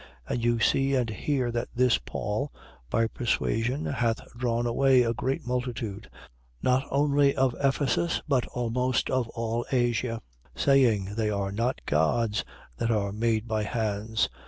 19:26. And you see and hear that this Paul, by persuasion hath drawn away a great multitude, not only of Ephesus, but almost of all Asia, saying: they are not gods which are made by hands.